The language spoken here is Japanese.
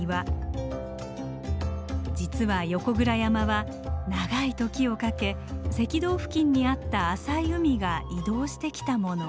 実は横倉山は長い時をかけ赤道付近にあった浅い海が移動してきたもの。